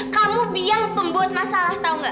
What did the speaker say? kamu biang pembuat masalah tau gak